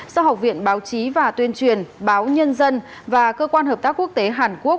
do học viện báo chí và tuyên truyền báo nhân dân và cơ quan hợp tác quốc tế hàn quốc